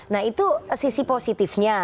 nah itu sisi positifnya